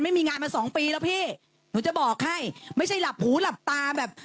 ไม่มีงานมาสองปีแล้วพี่หนูจะบอกให้ไม่ใช่หลับหูหลับตาแบบ